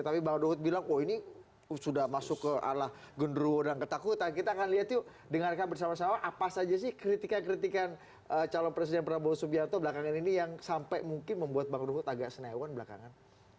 tapi bang ruhut bilang wah ini sudah masuk ke arah genderuwo dan ketakutan kita akan lihat yuk dengarkan bersama sama apa saja sih kritikan kritikan calon presiden prabowo subianto belakangan ini yang sampai mungkin membuat bang ruhut agak senewan belakangan